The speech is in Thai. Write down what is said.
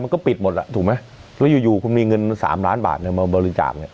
ก็ปิดหมดล่ะถูกไหมแล้วอยู่คุณมีเงิน๓ล้านบาทมาบริจาคเนี่ย